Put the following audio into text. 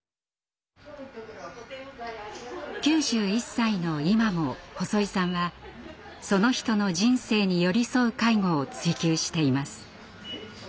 ９１歳の今も細井さんはその人の人生に寄り添う介護を追求しています。